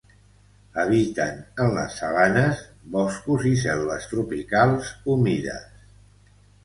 Habiten en les sabanes, boscos i selves tropicals humides.